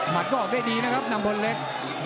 ก็ออกได้ดีนะครับนำพลเล็ก